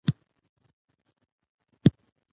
افغانستان کې تودوخه د چاپېریال د تغیر نښه ده.